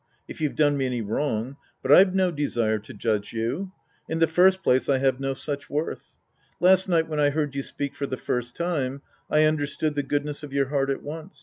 If you've done me any wrong. But I've no desire to judge you. In the first place, I have no such worth. Last night when I heard you speak for the first time, I understood the goodness of your heart at once.